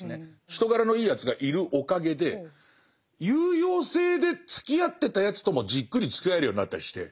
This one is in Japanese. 人柄のいいやつがいるおかげで有用性でつきあってたやつともじっくりつきあえるようになったりして。